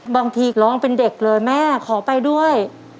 บางทีร้องเป็นเด็กเลยแม่ขอไปด้วย